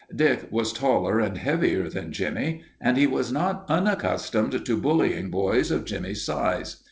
Dick was taller and heavier than Jimmie and he was not unaccustomed to bullying boys of Jimmie's size.